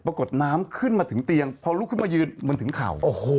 ปรากฏน้ำขึ้นมาถึงเตียงพอลุกขึ้นมายืนมันถึงเข่า